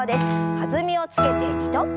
弾みをつけて２度。